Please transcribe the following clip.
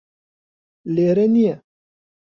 لێرە نییە